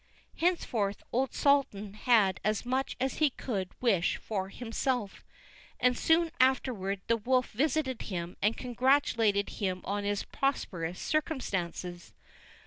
Henceforth old Sultan had as much as he could wish for himself; and soon afterward the wolf visited him and congratulated him on his prosperous circumstances.